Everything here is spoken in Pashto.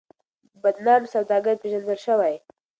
بدنام سوداگر پېژندل شوی.